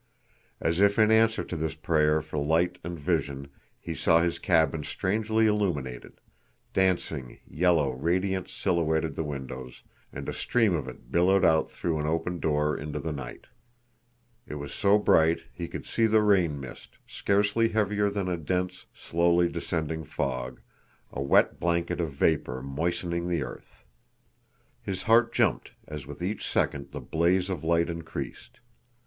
As if in answer to this prayer for light and vision he saw his cabin strangely illumined; dancing, yellow radiance silhouetted the windows, and a stream of it billowed out through an open door into the night. It was so bright he could see the rain mist, scarcely heavier than a dense, slowly descending fog, a wet blanket of vapor moistening the earth. His heart jumped as with each second the blaze of light increased.